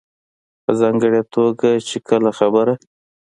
په ځانګړې توګه چې کله خبره